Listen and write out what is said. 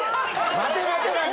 待て待て待て。